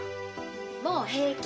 もう平気！